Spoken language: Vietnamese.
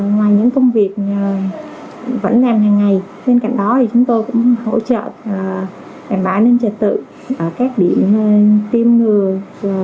ngoài những công việc vẫn làm hàng ngày bên cạnh đó chúng tôi cũng hỗ trợ đảm bảo nhân trật tự ở các điểm tiêm ngừa và vaccine